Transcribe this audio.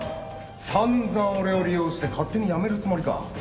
散々俺を利用して勝手に辞めるつもりか。